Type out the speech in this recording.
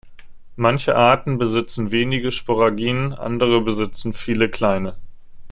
Manche Arten besitzen wenige Sporangien, andere besitzen viele kleine.